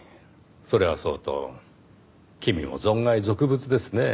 それはそうと君も存外俗物ですねぇ。